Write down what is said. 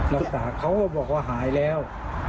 รักษาเขาก็บอกว่าหายแล้ว